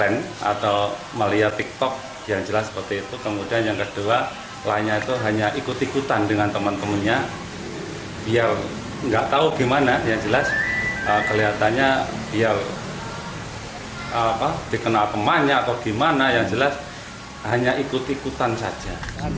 nah yang jelas hanya ikut ikutan saja